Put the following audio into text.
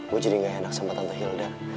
gue jadi gak enak sama tante hilda